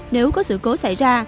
nếu có sự cố xảy ra